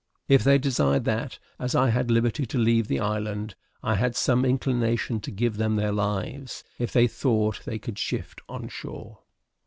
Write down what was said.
If they desired that, as I had liberty to leave the island, I had some inclination to give them their lives, if they thought they could shift on shore.